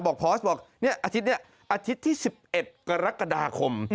บอกพอสบอกนี่อาทิตย์เนี่ยอาทิตย์ที่๑๑กรกฎาคม